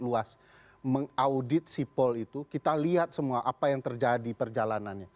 kalau mau di depan publik luas mengaudit sipol itu kita lihat semua apa yang terjadi perjalanannya